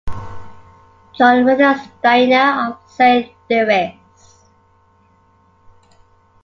John Rothensteiner of Saint Louis.